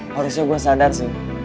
harusnya gue sadar sih